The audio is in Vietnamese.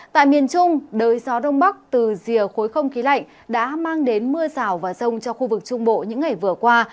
tại miền trung đới gió đông bắc từ rìa khối không khí lạnh đã mang đến mưa rào và rông cho khu vực trung bộ những ngày vừa qua